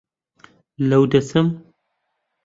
لەو دەچم؟